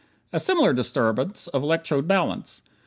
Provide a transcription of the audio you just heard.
A similar disturbance of electrode balance.